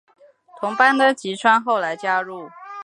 同班的吉川后来加入。